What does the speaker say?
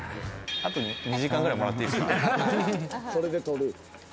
あと２時間くらいもらっていいですか？